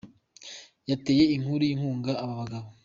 Yateye inku inkunga aba bagabo